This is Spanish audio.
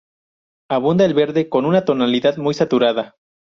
Abunda el verde, con una tonalidad muy saturada.